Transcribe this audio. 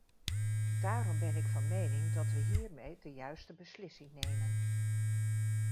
Daarom ben ik van mening dat we hiermee de juiste beslissing nemen.